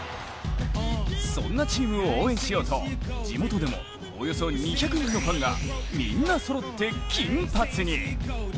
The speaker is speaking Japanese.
そんなチームを応援しようと地元でもおよそ２００人のファンがみんなそろって金髪に。